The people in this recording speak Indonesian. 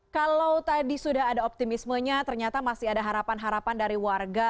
kalau tadi sudah ada optimismenya ternyata masih ada harapan harapan dari warga